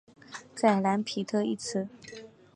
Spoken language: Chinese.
在蓝彼得一词。